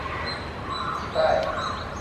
春秋时期活动于今甘肃省临洮县一带。